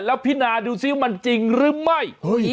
แล้วพิจารณาดูสิว่ามันจริงหรือไม่